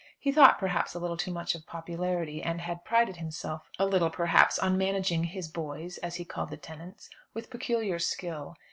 He thought, perhaps, a little too much of popularity, and had prided himself a little perhaps, on managing "his boys" as he called the tenants with peculiar skill.